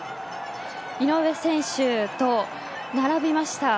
井上選手と並びました。